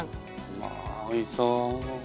うわおいしそう。